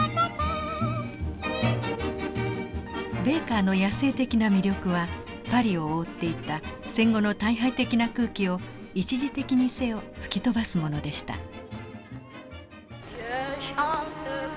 ベーカーの野性的な魅力はパリを覆っていた戦後の退廃的な空気を一時的にせよ吹き飛ばすものでした。